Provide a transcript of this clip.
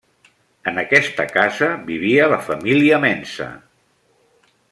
En aquesta casa vivia la família Mensa.